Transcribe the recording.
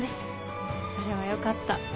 それはよかった。